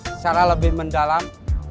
secara lebih mendalam